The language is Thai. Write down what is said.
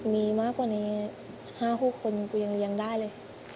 มีมากกว่านี้๕๖คนกูยังเลี้ยงได้เลย